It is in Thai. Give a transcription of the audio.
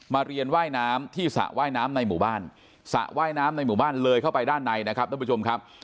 เรียนว่ายน้ำที่สระว่ายน้ำในหมู่บ้านสระว่ายน้ำในหมู่บ้านเลยเข้าไปด้านในนะครับท่านผู้ชมครับ